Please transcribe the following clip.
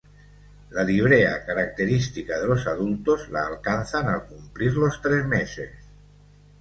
La librea característica de los adultos la alcanzan al cumplir los tres meses.